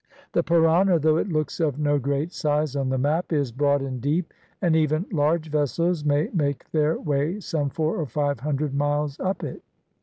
"The Parana, though it looks of no great size on the map, is broad and deep, and even large vessels may make their way some four or five hundred miles up it.